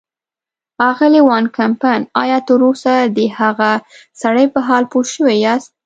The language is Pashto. اغلې وان کمپن، ایا تراوسه د هغه سړي په حال پوه شوي یاست.